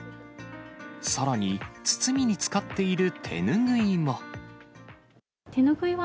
さらに、包みに使っている手拭いも。